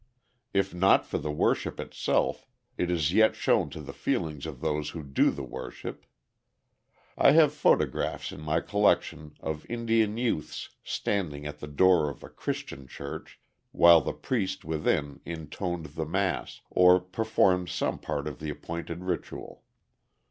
If not for the worship itself, it is yet shown to the feelings of those who do worship. I have photographs in my collection of Indian youths standing at the door of a Christian church while the priest within intoned the mass, or performed some part of the appointed ritual.